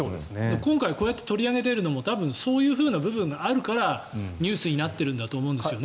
今回、こうやって取り上げているのもそういうふうな部分があるからニュースになっているんだと思うんですよね。